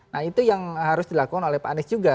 nah itu yang harus dilakukan oleh pak anies juga